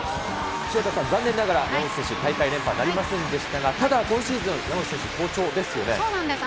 潮田さん、残念ながら山口選手、大会連覇なりませんでしたが、ただ今シーズン、そうなんです。